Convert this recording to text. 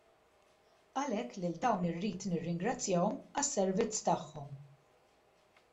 Għalhekk lil dawn irrid nirringrazzjahom għas-servizz tagħhom.